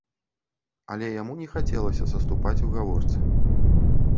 Але яму не хацелася саступаць у гаворцы.